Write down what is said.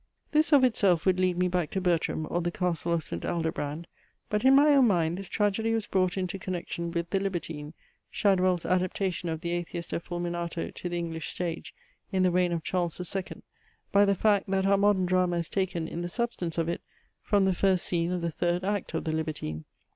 This of itself would lead me back to BERTRAM, or the CASTLE OF ST. ALDOBRAND; but, in my own mind, this tragedy was brought into connection with THE LIBERTINE, (Shadwell's adaptation of the Atheista Fulminato to the English stage in the reign of Charles the Second,) by the fact, that our modern drama is taken, in the substance of it, from the first scene of the third act of THE LIBERTINE.